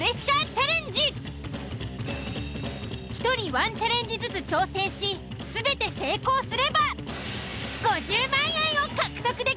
１人１チャレンジずつ挑戦し全て成功すれば５０万円を獲得できます！